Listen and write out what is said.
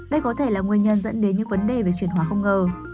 đây có thể là nguyên nhân dẫn đến những vấn đề về chuyển hóa không ngờ